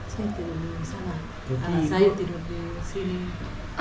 saya tidur di sana